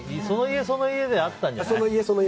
その家、その家であったんじゃない？